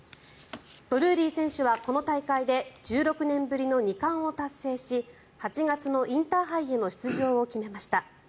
ドルーリー選手は、この大会で１６年ぶりの２冠を達成し８月のインターハイへの出場を決めました。